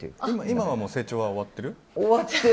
今は成長は終わってる？